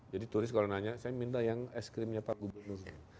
jadi turis kalau nanya saya minta yang es krimnya pak gubernur